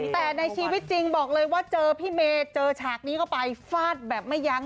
แต่ในชีวิตจริงบอกเลยว่าเจอพี่เมย์เจอฉากนี้เข้าไปฟาดแบบไม่ยั้ง